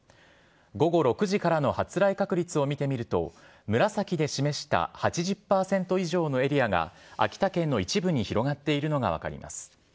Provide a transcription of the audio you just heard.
午後６時からの発雷確率を見てみると、紫で示した８０％以上のエリアが、秋田県の一部に広がっているのが分かります。